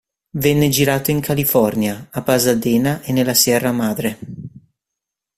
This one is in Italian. Venne girato in California, a Pasadena e nella Sierra Madre.